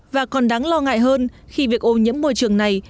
và còn đáng lo ngại hơn khi việc ô nhiễm môi trường này